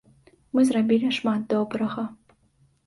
Мы зрабілі шмат добрага.